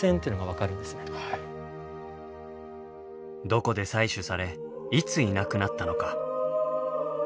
どこで採取されいついなくなったのか。